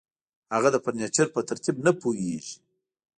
هغه د فرنیچر په ترتیب نه پوهیږي